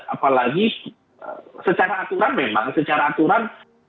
apalagi secara aturan memang